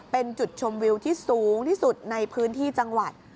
เป็นจุดชมวิวที่สูงที่สุดในพื้นที่จังหวัด